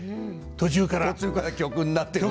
途中から曲になっていく。